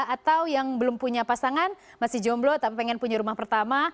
atau yang belum punya pasangan masih jomblo tapi pengen punya rumah pertama